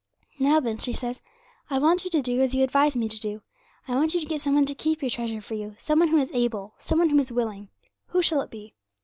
'"Now, then," she says, "I want you to do as you advised me to do. I want you to get some one to keep your treasure for you some one who is able, some one who is willing; who shall it be?"